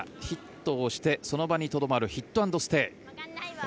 ヒットをしてその場にとどまるヒット・アンド・ステイ。